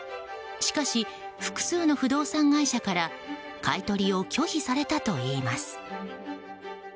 しかし、複数の不動産会社から買い取りを拒否されたといいます。